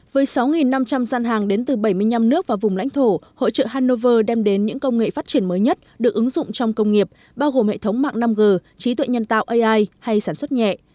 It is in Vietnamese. với sáu năm trăm linh gian hàng đến từ bảy mươi năm nước và vùng lãnh thổ hội trợ hannover đem đến những công nghệ phát triển mới nhất được ứng dụng trong công nghiệp bao gồm hệ thống mạng năm g trí tuệ nhân tạo ai hay sản xuất nhẹ